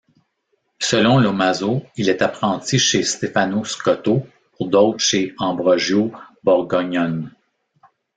Selon Lomazzo, il est apprenti chez Stefano Scotto, pour d'autres chez Ambrogio Borgognone.